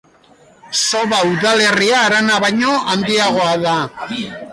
Soba udalerria harana baino handiagoa da.